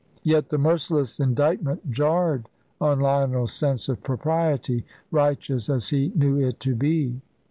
Yet the merciless indictment jarred on Lionel's sense of propriety, righteous as he knew it to be.